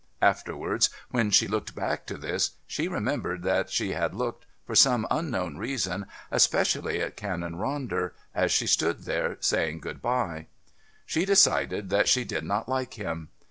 Afterwards, when she looked back to this, she remembered that she had looked, for some unknown reason, especially at Canon Ronder, as she stood there saying good bye. She decided that she did not like him.